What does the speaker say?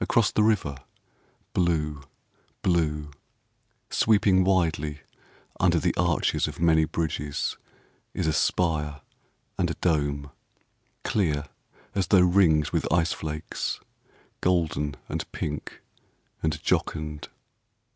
Across the river, Blue, Blue, Sweeping widely under the arches Of many bridges, Is a spire and a dome, Clear as though ringed with ice flakes, Golden, and pink, and jocund.